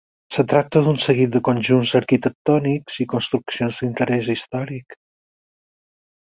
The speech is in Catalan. Es tracta d'un seguit de conjunts arquitectònics i construccions d'interès històric.